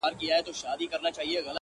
ما دي مخي ته کتلای؛